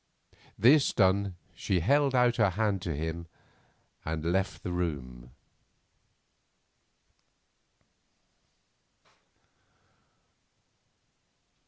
This done she held out her hand to him and left the room.